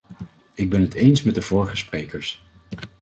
Ik ben het eens met de vorige sprekers.